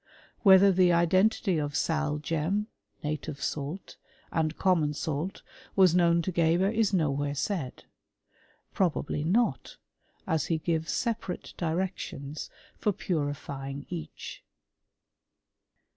* Whether the identity of sal gem {native salt) and ^^mon salt was known to Geber is nowhere said. *^robably not, as he gives separate directions for P^irifying each.